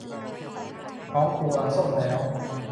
น้องตัวส้มแล้ว